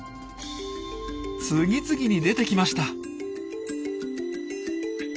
次々に出てきました。